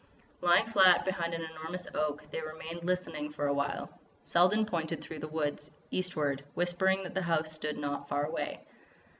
Lying flat behind an enormous oak, they remained listening for a while. Selden pointed through the woods, eastward, whispering that the house stood there not far away.